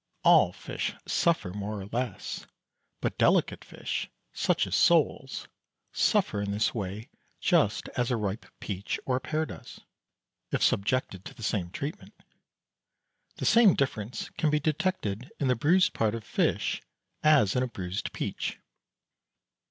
All fish suffer more or less, but delicate fish, such as soles, suffer in this way just as a ripe peach or pear does if subjected to the same treatment. The same difference can be detected in the bruised part of fish as in a bruised peach.